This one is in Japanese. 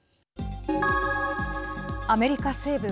アメリカ西部